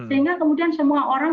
sehingga kemudian semua orang